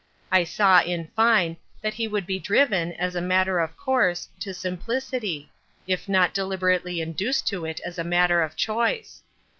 I saw, in fine, that he would be driven, as a matter of course, to simplicity, if not deliberately induced to it as a matter of choice.